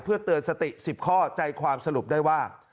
เพื่อเตือนสติ๑๐ข้อใจความสรุปได้ว่า